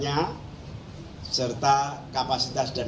yang tidak di rahama pangka aja